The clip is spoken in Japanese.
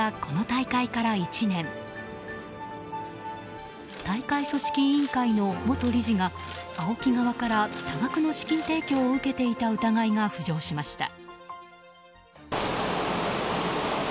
大会組織委員会の元理事がＡＯＫＩ側から多額の資金提供を受けていた疑いが浮上しました。